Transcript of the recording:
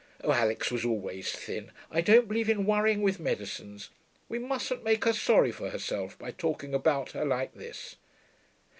'Oh, Alix was always thin. I don't believe in worrying with medicines. We mustn't make her sorry for herself by talking about her like this....